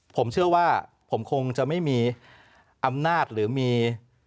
ผมเชื่อว่าผมคงจะไม่มีอำนาจหรือมี